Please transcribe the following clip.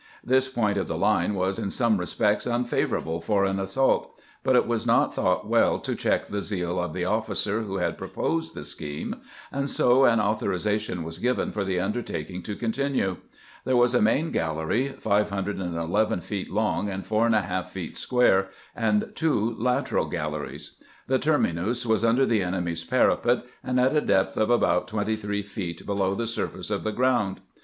This point of the line was in some respects unfavorable for an assault; but it was not thought well to check the zeal of the officer who had proposed the scheme, and so an authorization was given for the undertaking to con tinue. There was a main gaUery, 511 feet long and 4J feet square, and two lateral galleries. The terminus was under the enemy's parapet, and at a depth of about 23 feet below the surface of the ground.